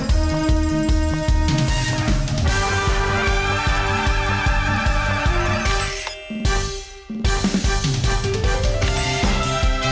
สวัสดีค่ะ